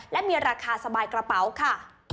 และมีราคาสบายกระเป๋าค่ะ